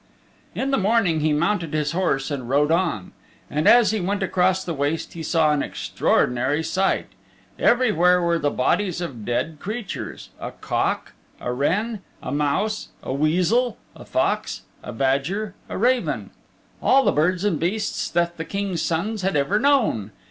In the morning he mounted his horse and rode on. And as he went across the waste he saw an extraordinary sight everywhere were the bodies of dead creatures a cock, a wren, a mouse, a weasel, a fox, a badger, a raven all the birds and beasts that the King's Son had ever known.